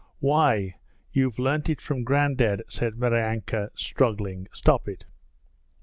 'Why, you've learnt it from Grandad,' said Maryanka, struggling. 'Stop it!'